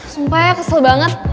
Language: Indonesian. sumpah ya kesel banget